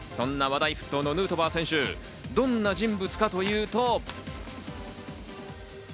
そんな話題沸騰のヌートバー選手、どんな人物かというと。